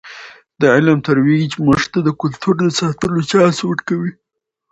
د علم ترویج موږ ته د کلتور د ساتلو چانس ورکوي.